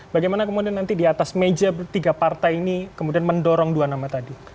bagaimana kemudian nanti di atas meja tiga partai ini kemudian mendorong dua nama tadi